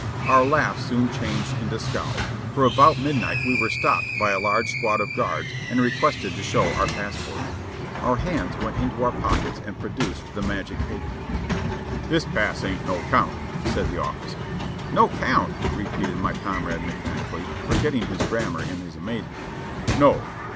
Our laugh soon changed into scowls, for about midnight we were stopped by a large squad of guards, and requested to show our passports. Our hands went into our pockets and produced the magic paper. "This pass ain't no 'count," said the officer. "No 'count?" repeated my comrade mechanically, forgetting his grammar in his amazement. "No!"